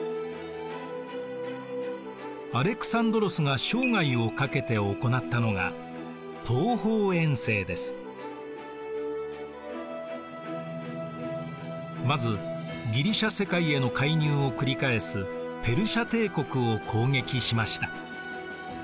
アレクサンドロスが生涯をかけて行ったのがまずギリシア世界への介入を繰り返すペルシア帝国を攻撃しました。